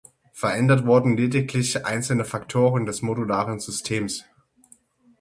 Verändert wurden lediglich einzelne Faktoren des modularen Systems.